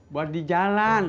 buat di jalan